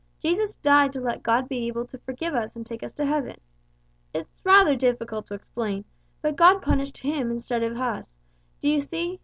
Jesus died to let God be able to forgive us and take us to heaven. It's rather difficult to explain, but God punished Him instead of us, do you see?